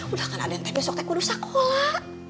udah kan ada yang teh besok tekudu sekolah